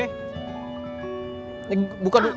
ini buka dulu